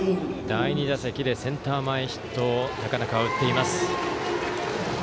第２打席でセンター前ヒットを高中は打っています。